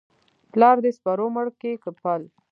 پلار دي سپرو مړ کى که پل؟